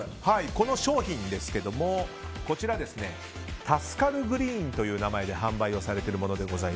この商品ですがタスカルグリーンという名前で販売されています。